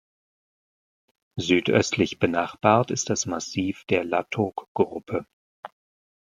Südöstlich benachbart ist das Massiv der Latok-Gruppe.